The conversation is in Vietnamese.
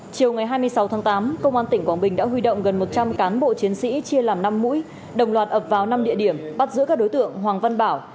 chiều ngày hai mươi sáu tháng tám công an tỉnh quảng bình đã huy động gần một trăm linh cán bộ chiến sĩ chia làm năm mũi đồng loạt ập vào năm địa điểm bắt giữ các đối tượng hoàng văn bảo